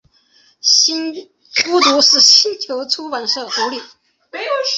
孤独星球出版社创立。